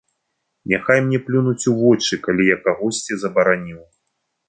Няхай мне плюнуць у вочы, калі я кагосьці забараніў.